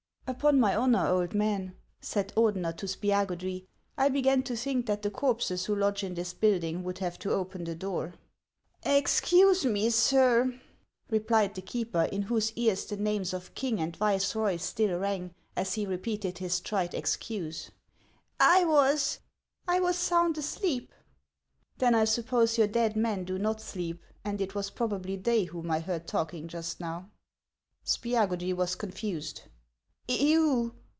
U'POX my honor, old man," said Ordener to Spiagu dry, "I began to think that the corpses who lodge in this building would have to open the door." "Excuse me, sir," replied the keeper, in whose ears the names of king and viceroy still rang, as he repeated his trite excuse, "I was — I was sound asleep." " Then I suppose your dead men do not sleep, and it was probably they whom I heard talking just now." Spiagudry was confused.